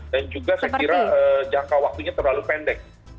dan juga saya kira jangka waktunya terlalu pendek